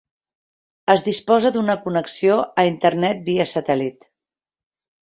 Es disposa d'una connexió a internet via satèl·lit.